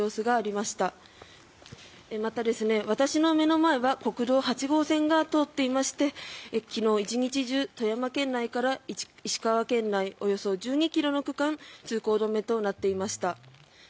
また、私の目の前は国道８号線が通っていまして昨日、１日中富山県内から石川県内およそ１２ｋｍの区間通行止めとなっていました。